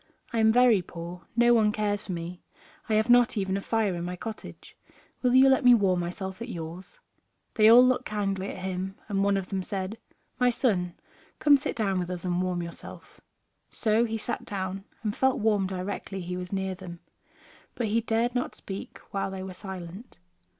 I am very poor, no one cares for me, I have not even a fire in my cottage; will you let me warm myself at yours?" They all looked kindly at him, and one of them said: "My son, come sit down with us and warm yourself." So he sat down, and felt warm directly he was near them. But he dared not speak while they were silent.